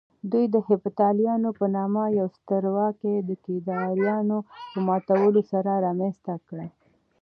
دوی د هېپتاليانو په نامه يوه سترواکي د کيداريانو په ماتولو سره رامنځته کړه